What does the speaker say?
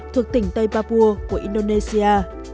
thuộc tỉnh tây papua của indonesia